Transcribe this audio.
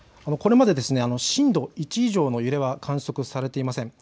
これまで震度１以上の揺れが観測されていません。